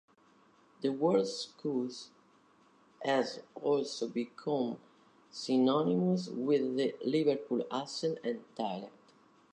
The word "Scouse" has also become synonymous with the Liverpool accent and dialect.